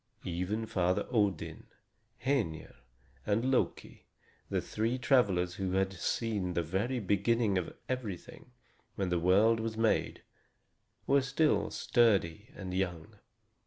Even Father Odin, Hœnir, and Loki, the three travelers who had seen the very beginning of everything, when the world was made, were still sturdy and young.